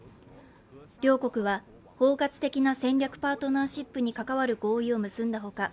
両国は、包括的な戦略的パートナーシップに関わる合意を結んだほか